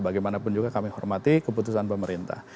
bagaimanapun juga kami hormati keputusan pemerintah